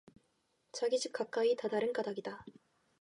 자기 집 가까이 다다른 까닭이다.